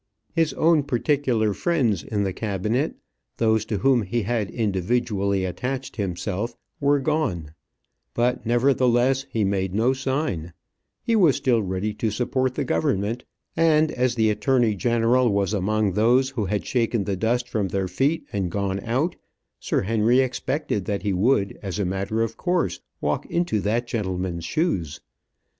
His own particular friends in the cabinet, those to whom he had individually attached himself, were gone; but, nevertheless, he made no sign; he was still ready to support the government, and as the attorney general was among those who had shaken the dust from their feet and gone out, Sir Henry expected that he would, as a matter of course, walk into that gentleman's shoes.